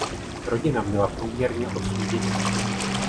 Rodina měla průměrně osm dětí.